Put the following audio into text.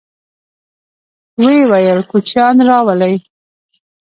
ويې ويل: کوچيان راولئ!